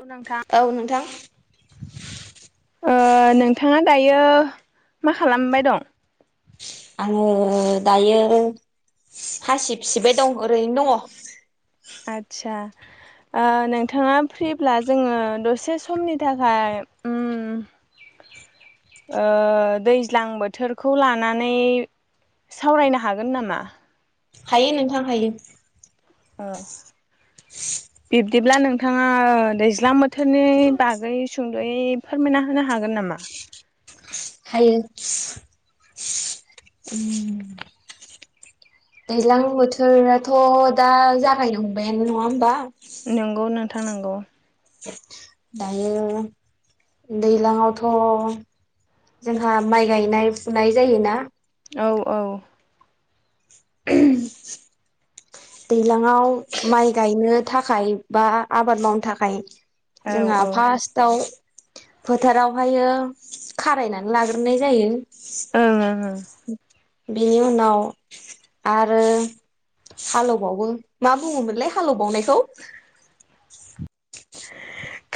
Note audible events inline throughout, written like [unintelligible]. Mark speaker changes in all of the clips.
Speaker 1: औ नोंथां
Speaker 2: औ नोंथां
Speaker 1: ओ नोंथा थाङा दायो मा खालामबाय दं
Speaker 2: ओ दायो हासिब सिबाय दं ओरैनो दङ।
Speaker 1: आतसा। आ नोंथाङा फ्रिब्ला जोङो दसे समनि थाखाय उम ओ दैज्लां बोथोरखौ लानानै सावरायनो हागोन नामा?
Speaker 2: हायो नोंथां हायो
Speaker 1: औ बिब दिब्ला नोंथाङा ओ दैज्लां बोथोरनि बागै सुंद'यै फोरमायना होनो हागोन नामा?
Speaker 2: हायो उम दैज्लां बोथोराथ' दा जागायनो हमबायानो। नङा होमबा?
Speaker 1: नोंगौ नोंथा नोंगौ।
Speaker 2: दायो दैलाङावथ' जोंहा माइ गायनाय फुनाय जायोना
Speaker 1: औ औ
Speaker 2: [unintelligible] दै लांआव माइ गायनो थाखाय बा आबाद मावनो थाखाय
Speaker 1: औ
Speaker 2: जोंहा
Speaker 1: ओं
Speaker 2: फास्टआव फोथारावहायो खारायनानै लाग्रोनाय जायो।
Speaker 1: ओं ओं ओं।
Speaker 2: बिनि उनाव आरो हालौबावो। मा बुङोमोनलाय हालौबावनायखौ?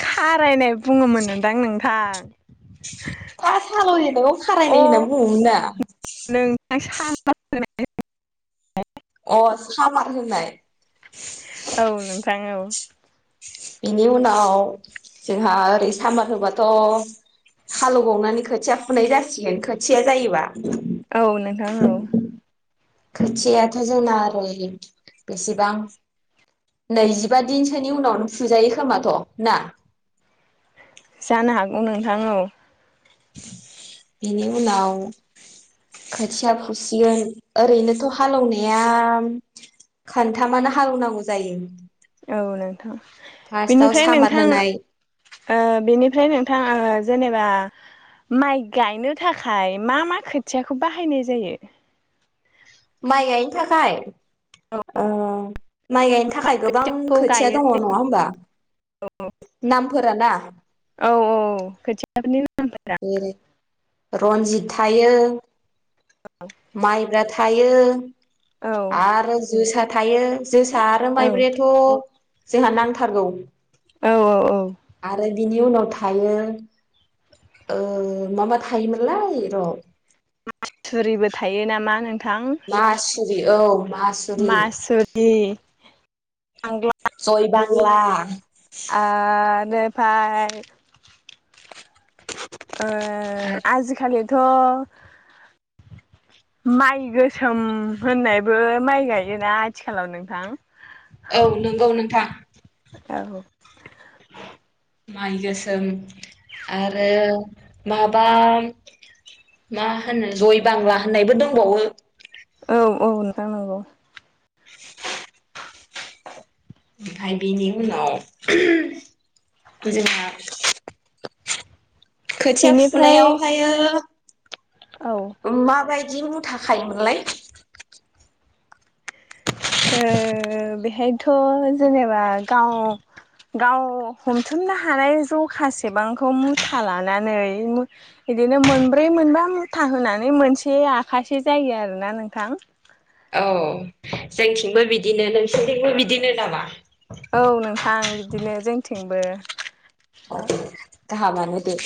Speaker 1: खारायनाय बुङो मोनोनदां नोंथां।
Speaker 2: फास हालौजेननायखौ
Speaker 1: अ
Speaker 2: खारायनाय होनना बुङोमोनना।
Speaker 1: नोंथां [inaudible]
Speaker 2: अ सामार होनाय।
Speaker 1: थां औ
Speaker 2: बिनि उनाव जोंहा ओरै सामार होबाथ' हालौवबावनानै खोथिया फुनाय जासिगोन खोथिया जायोबा
Speaker 1: औ नोंथां औ।
Speaker 2: खोथियाथ' जोंना ओरै बेसेबां नैजिबा दिनसोनि उनावनो फुजायो खोमाथ' ना
Speaker 1: जानो हागौ नोंथां‌ औ।
Speaker 2: बिनि उनाव खोथिया फुसिगोन ओरैनोथ' हालोवनाया खोन्थामानो हालोवनांगौ जायो।
Speaker 1: औ नोंथां
Speaker 2: फार्स्टआव
Speaker 1: बेनिफ्राय
Speaker 2: सामार
Speaker 1: नोंथां
Speaker 2: होनाय
Speaker 1: ओ बेनिफ्राय नों थां आ जेनेबा माइ गायनो थाखाय मा मा खोथियाखौ बाहायनाय जायो?
Speaker 2: माइ गायनो थाखाय? औ माइ गायनो था खाय गोबां
Speaker 1: खोथियाखौ
Speaker 2: खोथिया
Speaker 1: गायो
Speaker 2: दङ। नङा होमबा? नामफोरा ना
Speaker 1: औ औ [unintelligible]
Speaker 2: ओ रनजित थायो माइब्रा था थायो
Speaker 1: औ
Speaker 2: आरो जोसा थायो जोसा आरो
Speaker 1: औ
Speaker 2: माइब्रायाथ' जोंहा नांथारगौ
Speaker 1: औ औ
Speaker 2: आरो बिनि उनाव थायो मा मा थायोमोनलाय र'
Speaker 1: मासुरिबो थायो नामा नोंथां [unintelligible]
Speaker 2: मासुरि औ मासुरि
Speaker 1: मासुरि [unintelligible]
Speaker 2: जयबांला
Speaker 1: आरो बार आ
Speaker 2: आरो
Speaker 1: आजिखालि थ' माइ गोसोम होननायबो माइ गायोना आथिखालाव नोंथां
Speaker 2: औ नंगौ नोंथां
Speaker 1: औ
Speaker 2: माइ गोसोम आरो माबा मा होनो जय बांला होननायबो दंबावो
Speaker 1: औ औ नोंथां नंगौ
Speaker 2: ओमफाय बिनि उनाव [unintelligible] गोजोना खोथिया
Speaker 1: बेनिफ्राय
Speaker 2: फुनायावहायो
Speaker 1: औ ओ
Speaker 2: मा बाय दि मुथा खायोमोनलाय
Speaker 1: ओ बेहायथ' जेनेबा गाव गाव हमथुमनो हानाय जखासेबांखौ मुथा लानानै मु इदिनो मोनब्रै मोनबा मुथा होनानै मोनसे आखासे जायो आरोना नोंथां
Speaker 2: औ जोंथिंबो बिदिनो नोंसिनथिंबो बिदिनो नामा
Speaker 1: औ नोंथां बिदिनो जों थिंबो
Speaker 2: गाहामानो दे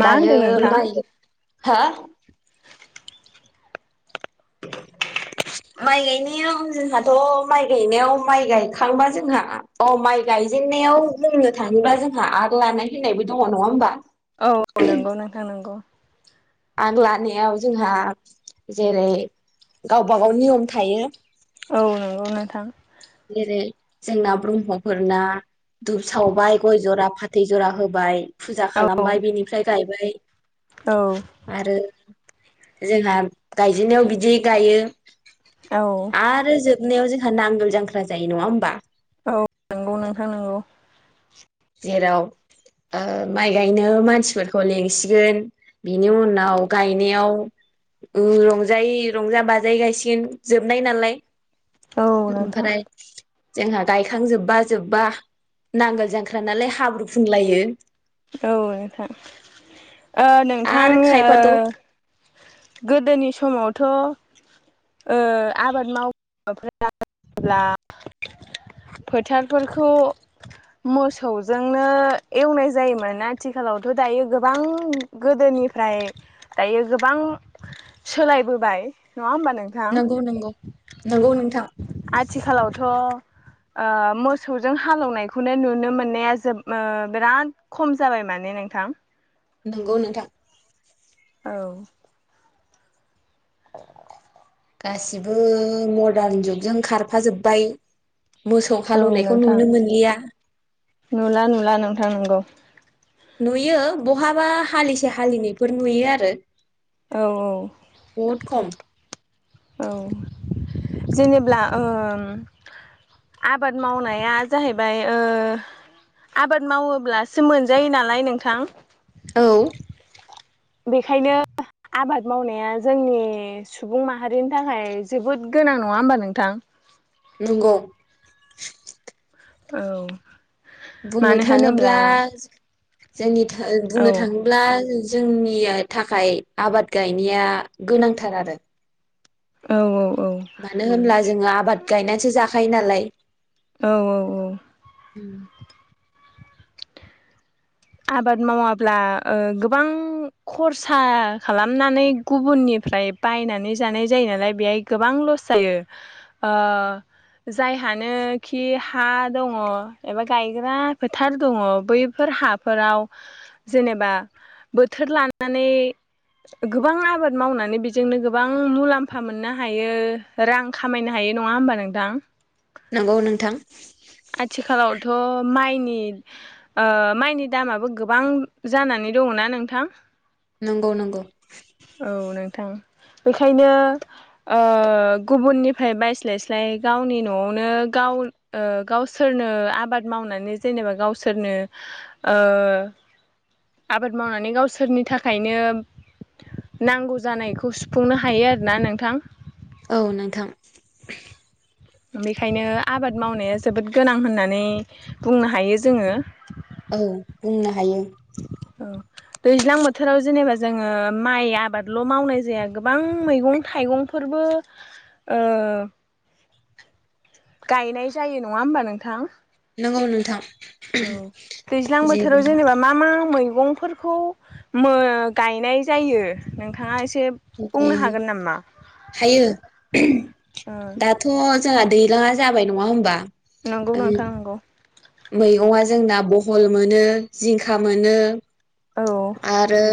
Speaker 1: मा होनदों नोंथां
Speaker 2: हो माइ गायनायाव जोंहाथ' माइ गायनायाव माइ गायखांबा जोंहा अ माइ गायजेननायाव बुंनो थाङोब्ला जोंहा आग लानाय होननायबो दङ नङा होमबा
Speaker 1: औ औ नोंगौ नोंथां नोंगौ
Speaker 2: आग लानायाव जोंहा जेरै गावबागाव नियम थायो
Speaker 1: औ नोंगौ नोंथां
Speaker 2: जेरै जोंना ब्रह्मफोरना दुब सावबाय गय जरा फाथै जरा होबाय फुजा खालामबाय
Speaker 1: औ
Speaker 2: बिनिफ्राय गायबाय
Speaker 1: औ
Speaker 2: आरो जोंहा गायजेननायाव बिदियै गायो
Speaker 1: औ
Speaker 2: आरो जोबनायाव जों हा नांगोल जांख्र ख्रा जायो नङा होमबा
Speaker 1: अ नोंगौ नोंथां नोंगौ
Speaker 2: जेराव ओ माइ गायनो मानसिफोरखौ लिंसिगोन बिनि उनाव गायनायाव ओ रंजायै रंजा बाजायै गायसिगोन जोबनाय नालाय
Speaker 1: औ नोंथां।
Speaker 2: ओमफोराय जोंहा गायखांजोब्बा जोब्बा नांगोल जांख ख्रानालाय हाब्रु फुनलायो
Speaker 1: औ नोंथां ओ नोंथां
Speaker 2: आरो खायफाथ'
Speaker 1: ओ गोदोनि समाव थ ओ आबाद माय [unintelligible] फोथारफोरखौ मोसौजोंनो एवनाय जायोमोना आथिखालावथ' दायो गोबां गोदोनिफ्राय दायो गोबां सोलायबोबाय नङा होमबा नोंथां
Speaker 2: नंगौ नंगौ नंगौ नोंथां
Speaker 1: आथिखालावथ' आ मोसौजों हालौनायखौनो नुनो मोननाया जोब ओ बिराद खम जाबाय माने नोंथां
Speaker 2: नोंगौ नोंथां
Speaker 1: औ
Speaker 2: गासिबो मरदान जुगजों खारफाजोब्बाय मोसौ
Speaker 1: औ
Speaker 2: हालौनायखौ
Speaker 1: नोंथां।
Speaker 2: नुनो मोनलिया
Speaker 1: नुला नुला नोंथां नोंगौ
Speaker 2: नुयो बहाबा हालिसे हालिनैफोर नुयो आरो
Speaker 1: औ औ
Speaker 2: बहुद खम
Speaker 1: औ जेनेब्ला आबाद मावनाया जाहैबाय आबाद मावोब्लासो मोनजायो नालाय नोंथां
Speaker 2: औ
Speaker 1: बेखायनो आबाद मावनाया जोंनि सुबुं माहारिनि थाखाय जोबोद गोनां नङा होमबा नोंथां
Speaker 2: नंगौ
Speaker 1: औ
Speaker 2: बुंनो
Speaker 1: मानो
Speaker 2: थाङोब्ला
Speaker 1: होनोब्ला
Speaker 2: जोंनिथिं
Speaker 1: औ
Speaker 2: बुंनो थाङोब्ला जोंनिया थाखाय आबाद गायनाया गोनांथार आरो
Speaker 1: औ औ औ
Speaker 2: मानो होमब्ला जोङो आबाद गायनानैसो जाखायो नालाय
Speaker 1: औ औ औ
Speaker 2: उम
Speaker 1: आबाद मावाब्ला गोबां खरसा खालामनानै गुबुननिफ्राय बायनानै जानाय जायो नालाय बेहाय गोबां लस जायो जायहानोखि हा दङ एबा गायग्रा फोथार दङ बैफोर हा फोराव जेनेबा बोथोर लानानै गोबां आबाद मावनानै बेजोंनो गोबां मुलाम्फा मोननो हायो रां खामायनो हायो नङा होमबा नोंथां
Speaker 2: नंगौ नोंथां
Speaker 1: आथिखालावथ' माइनि माइनि दामाबो गोबां जानानै दङना नोंथां
Speaker 2: नंगौ नंगौ
Speaker 1: औ नोंथां बेखायनो गुबुननिफ्राय बायस्लायस्लाय गावनि न'आवनो गाव गावसोरनो आबाद मावनानै जेनेबा गावसोरनो आबाद मावनानै गावसोरनि थाखायनो नांगौ जानायखौ सुफुंनो हायो आरोना नोंथां
Speaker 2: औ नोंथां।
Speaker 1: बेखायनो आबाद मावनाया जोबोद गोनां होननानै बुंनो हायो जोङो।
Speaker 2: औ बुंनो हायो।
Speaker 1: ओ दैज्लां बोथोराव जेनेबा जोङो माइ आबादल' मावनाय जाया गोबां मैगं थाइगंफोरबो ओ गायनाय जायो। नङा होमबा नोंथां?
Speaker 2: नोंगौ नोंथां।
Speaker 1: औ दैज्लां बोथोराव
Speaker 2: जेरैबायदि
Speaker 1: जेनेबा मा मा मैगंफोरखौ मो गायनाय जायो नोंथाङा एस
Speaker 2: हायो
Speaker 1: ओ
Speaker 2: दाथ' जोंहा दैजलाङा जाबाय नङा होनबा?
Speaker 1: नोंगौ नोंथां नोंगौ।
Speaker 2: मैगङा जोंना बहल मोनो जिंखा मोनो
Speaker 1: औ
Speaker 2: आरो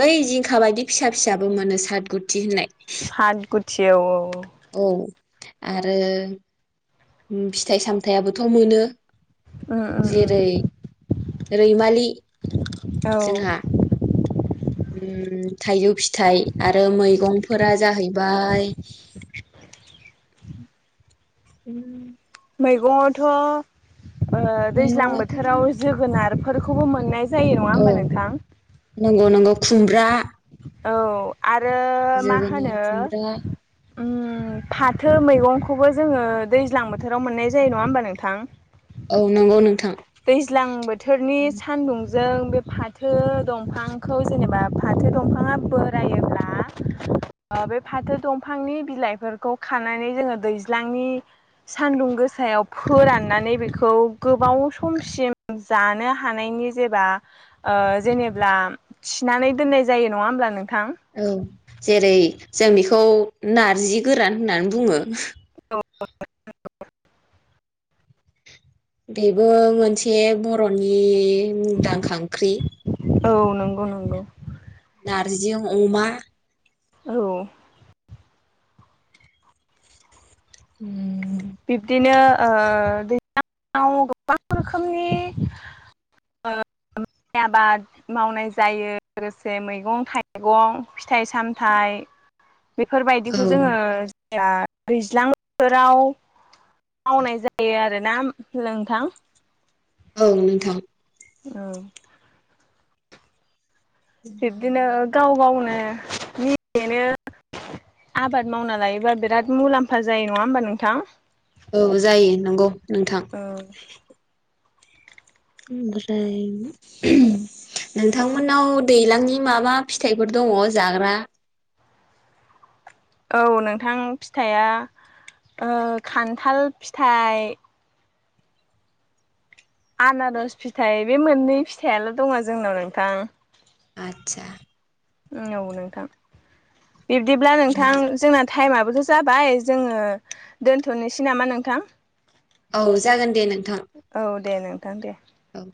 Speaker 2: बै जिंखा बायदि फिसा फिसाबो मोनो सात गुथि होननाय।
Speaker 1: साद गुत थि औ औ औ।
Speaker 2: आरो उम फिथाइ सामथायाबोथ' मोनो।
Speaker 1: उम
Speaker 2: जेरै
Speaker 1: उम
Speaker 2: रैमालि
Speaker 1: औ
Speaker 2: जोंहा उम थाइजौ फिथाइ आरो मैगंफोरा जाहैबाय उम
Speaker 1: मैगंआवथ' ओ दैज्लां
Speaker 2: मैगङाथ'
Speaker 1: बोथोराव जोगोनार फोरखौबो मोननाय जायो नङा
Speaker 2: औ
Speaker 1: होमबा नोंथां?
Speaker 2: नोंगौ नोंगौ खुम ब्रा
Speaker 1: औ आरो मा होनो
Speaker 2: खुमब्रा
Speaker 1: उम फाथो मैगंखौबो जोङो दैज्लां बोथोराव मोननाय जायो। नङा होमबा नोंथां?
Speaker 2: औ नोंगौ नोंथां।
Speaker 1: दैज्लां बोथोरनि सान्दुं जों बे फाथो दंफांखौ जेनेबा फाथो दंफाङा बोरायोब्ला ओ बे फाथो दंफांनि बिलाइफोरखौ खानानै जोङो दैज्लांनि सानदुं गोसायाव फोराननानै बेखौ गोबाव समसिम जानो हानायनि जेबा ओ जेनेब्ला थिनानै दोननाय जायो नङा होमब्ला नों
Speaker 2: औ जेरै जों बिखौ नारजि गोरान होननानै बुङो।
Speaker 1: [inaudible]
Speaker 2: बेबो मोनसे बर'नि मुंदांखा ओंख्रि
Speaker 1: औ नोंगौ नोंगौ।
Speaker 2: नार्जिजों अमा
Speaker 1: औ
Speaker 2: उम।
Speaker 1: बिब्दिनो ओ दैलांङाव गोबां रोखोमनि ओ [unintelligible] मावनाय जायो लोगोसे मैगं थाइगं फिथाइ सामथाइ
Speaker 2: औ
Speaker 1: बेफोरबायदिखौ जोङो या दैज्लां बोथोराव मावनाय जायो आरो। नाम नोंथां
Speaker 2: औ नोंथां।
Speaker 1: औ बिब्दिनो गाव गावनो निजेनो आबाद मावना लायोबा बिराद मुलाम्फा जायो नङा होमबा नोंथां।
Speaker 2: औ जायो नोंगौ। नोंथां।
Speaker 1: औ
Speaker 2: ओमफ्राय नोंथांमोननाव दैलांनि मा मा फिथाइफोर दङ जाग्रा।
Speaker 1: औ नोंथां फिथाइया ओ खान्थाल फिथाइ आनारस फिथाइ बे मोननै फिथायाल' दङ जोंनाव नोंथां।
Speaker 2: आतसा
Speaker 1: औ नोंथां बिब्दिब्ला नोंथां जोंना थाइमाबोथ' जाबाय जोङो दोनथ'निसि नामा नोंथां?
Speaker 2: औ जागोन दे नोंथां
Speaker 1: औ दे नोंथां दे
Speaker 2: औ।